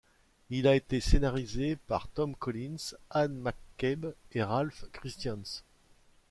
Il a été scénarisé par Tom Collins, Anne McCabe et Ralph Christians.